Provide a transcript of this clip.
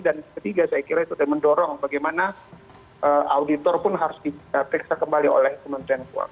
dan ketiga saya kira itu mendorong bagaimana auditor pun harus diperiksa kembali oleh pemerintahan